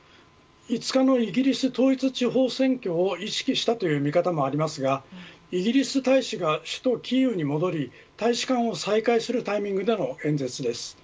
５日のイギリス統一地方選挙を意識したという見方もありますがイギリス大使が首都キーウに戻り大使館を再開するタイミングでの演説です。